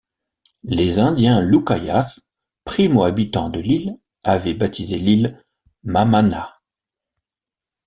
Les indiens Lucayas, primo-habitants de l'île, avaient baptisé l'île, Mamana.